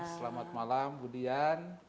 selamat malam bu dian